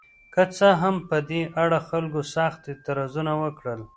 که څه هم په دې اړه خلکو سخت اعتراضونه وکړل.